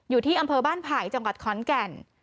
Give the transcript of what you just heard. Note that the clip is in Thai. อยู่ที่อำเภอบ้านไผ่จังหวัดขอนแก่น